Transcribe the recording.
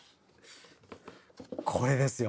これですよ！